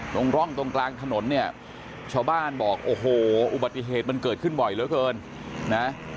ตรงร่องตรงกลางถนนเนี่ยชาวบ้านบอกโอ้โหอุบัติเหตุมันเกิดขึ้นบ่อยเหลือเกินนะ